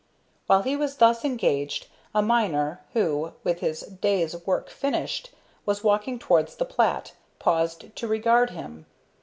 While he was thus engaged, a miner, who, with his day's work finished, was walking towards the plat, paused to regard him.